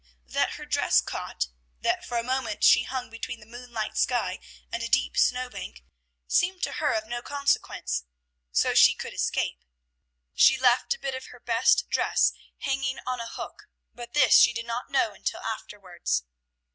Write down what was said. That her dress caught, that for a moment she hung between the moonlit sky and a deep snow bank, seemed to her of no consequence, so she could escape. She left a bit of her best dress hanging on a hook, but this she did not know until afterwards.